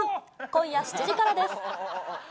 今夜７時からです。